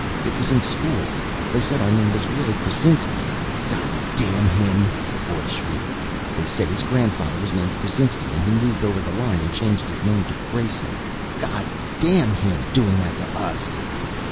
It was in school. They said our name was really Krasinsky. God damn him!" the boy shrieked. "They said his grandfather was named Krasinsky and he moved over the line and changed his name to Grayson! God damn him! Doing that to us!"